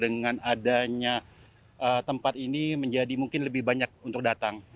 dan mungkin masyarakat bogor dengan adanya tempat ini menjadi mungkin lebih banyak untuk datang